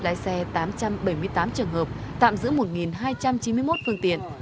tước giới phép lái xe tám trăm bảy mươi tám trường hợp tạm giữ một hai trăm chín mươi một phương tiện